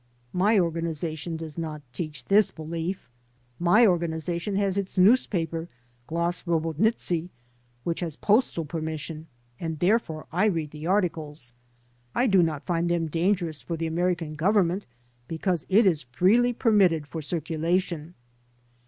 "My organization does not teach this belief. My organi zation has its newspaper, *Glos Robotniczy,* which has postal permission and therefore I read the articles. I do not find them dangerous for the American Government, because it is freely permitted for circulation."